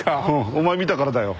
お前見たからだよ。